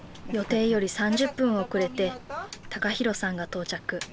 予定より３０分遅れて陽大さんが到着。